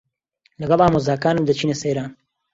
لەگەڵ ئامۆزاکانم دەچینە سەیران.